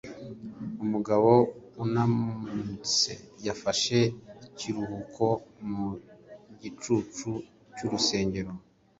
umugabo unanutse yafashe ikiruhuko mu gicucu cy'urusengero